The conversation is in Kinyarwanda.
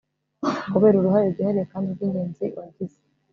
kubera uruhare rwihariye kandi rwingenzi wagize